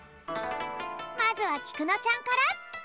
まずはきくのちゃんから。